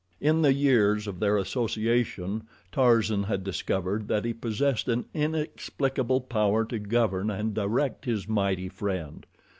In the years of their association Tarzan had discovered that he possessed an inexplicable power to govern and direct his mighty friend.